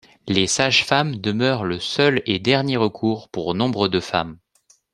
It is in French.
Les sages-femmes demeurent le seul et dernier recours pour nombre de femmes.